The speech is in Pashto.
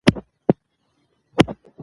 جګړه لاس او ګریوان کېده.